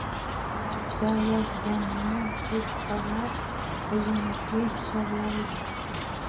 • Loyda yotganni cho‘chqalar o‘ziniki hisoblaydi.